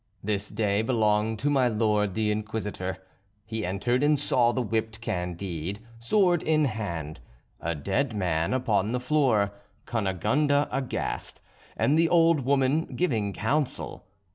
This day belonged to my lord the Inquisitor. He entered, and saw the whipped Candide, sword in hand, a dead man upon the floor, Cunegonde aghast, and the old woman giving counsel.